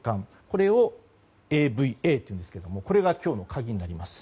これをＡＶＡというんですけれどもこれが今日の鍵になります。